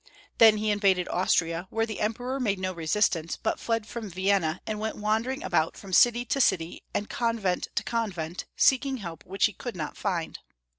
Then he invaded Austria, where the Emperor made no resistance, but fled from Vienna and went wandering about from city to city a»nd convent to convent, seeking help which he could ^not find.